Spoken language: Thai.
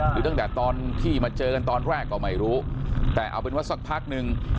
หรือตั้งแต่ตอนที่มาเจอกันตอนแรกก็ไม่รู้แต่เอาเป็นว่าสักพักนึง